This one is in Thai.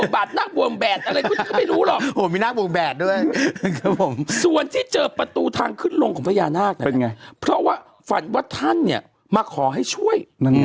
แบบคนเล่นอะไรกันวะ